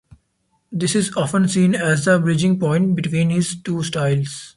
This is often seen as the bridging point between his two styles.